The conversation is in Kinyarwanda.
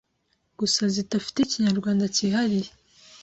gusa zidafite Ikinyarwanda cyihariye,